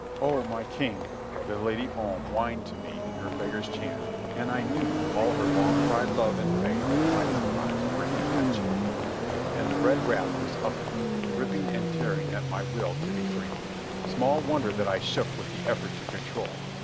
"O my king," the Lady Om whined to me in her beggar's chant; and I knew all her long tried love and faith in my emprise were in that chant. And the red wrath was up in me, ripping and tearing at my will to be free. Small wonder that I shook with the effort to control.